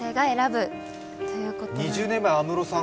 ２０年前、安室さん